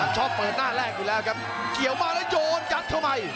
ชอบเปิดหน้าแรกอยู่แล้วครับเขียวมาแล้วโยนยัดเข้าไป